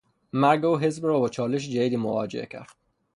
مرگ او حزب را با چالش جدیدی مواجه کرد.